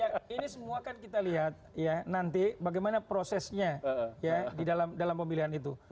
ya ini semua kan kita lihat ya nanti bagaimana prosesnya ya di dalam pemilihan itu